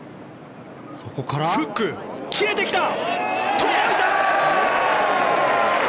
届いた！